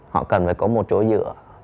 họ cần phải có một chỗ dựa